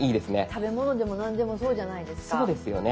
食べ物でも何でもそうじゃないですか。